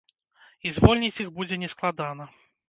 І звольніць іх будзе не складана.